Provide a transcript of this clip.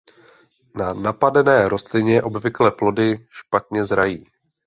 Na napadené rostlině obvykle plody špatně zrají.